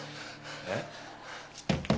えっ？